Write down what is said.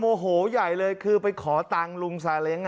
โมโหใหญ่เลยคือไปขอตังค์ลุงซาเล้ง